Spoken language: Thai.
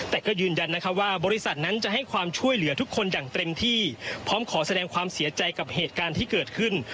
แต่ก็ยืนยันนะคะว่าบริษัทนั้นจะให้ความช่วยเหลือทุกคนอย่างเต็มที่พร้อมขอแสดงความเสียใจกับเหตุการณ์ที่เกิดขึ้น